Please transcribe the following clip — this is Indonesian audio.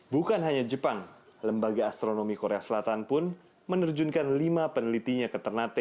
bukan hanya jepang lembaga astronomi korea selatan pun menerjunkan lima penelitinya ke ternate